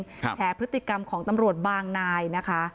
แฉพฤติกรรมของตำรวจบางนายนะคะ